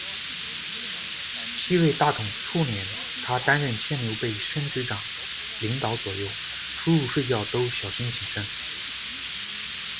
西魏大统初年，他担任千牛备身直长、领导左右，出入睡觉都小心谨慎。